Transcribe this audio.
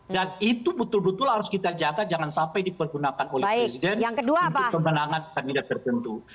dan itu betul betul harus kita jatah jangan sampai dipergunakan oleh presiden untuk pemenangan anggota tertentu